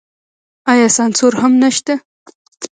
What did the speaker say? آیا سانسور هم نشته؟